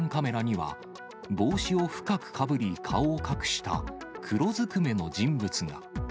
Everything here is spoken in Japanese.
ビラが配られた付近の防犯カメラには、帽子を深くかぶり、顔を隠した黒ずくめの人物が。